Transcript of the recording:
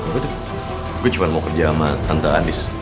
gue tuh gue cuma mau kerja sama tante andis